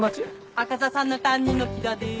赤座さんの担任の黄多です。